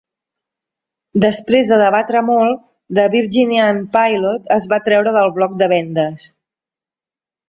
Després de debatre molt, "The Virginian-Pilot" es va treure del bloc de vendes.